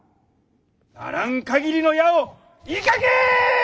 あらんかぎりの矢を射かけい！